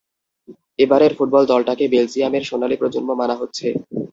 এবারের ফুটবল দলটাকে বেলজিয়ামের সোনালি প্রজন্ম মানা হচ্ছে।